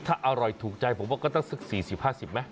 ถ้าอร่อยถูกใจผมว่าก็ตั้งสิบชิบห้าสิบนะ